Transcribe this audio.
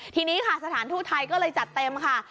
ทีนี้ค่ะสถานทูตไทยก็เลยจัดเต็มค่ะ